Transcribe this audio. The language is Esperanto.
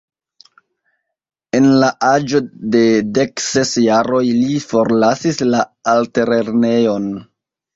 En la aĝo de dek ses jaroj li forlasis la altlernejon.